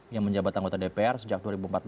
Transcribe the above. yang menjabat anggota dpr sejak dua ribu empat belas